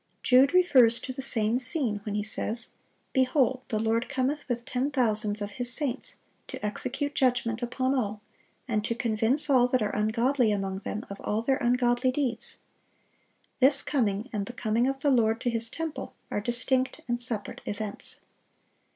(703) Jude refers to the same scene when he says, "Behold, the Lord cometh with ten thousands of His saints, to execute judgment upon all, and to convince all that are ungodly among them of all their ungodly deeds."(704) This coming, and the coming of the Lord to His temple, are distinct and separate events.